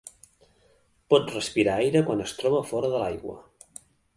Pot respirar aire quan es troba fora de l'aigua.